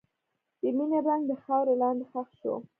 د مینې رنګ د خاورې لاندې ښخ شو.